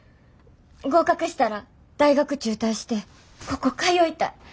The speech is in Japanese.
合格したら大学中退してここ通いたい。